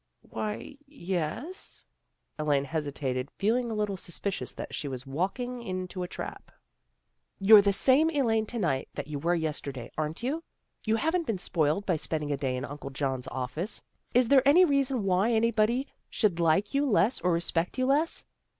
" Why, ye es " Elaine hesitated, feeling a little suspicious that she was walking into a trap. 292 THE GIRLS OF FRIENDLY TERRACE " You're the same Elaine to night that you were yesterday, aren't you? You haven't been spoiled, by spending a day in Uncle John's office. Is there any reason why any body should like you less or respect you less?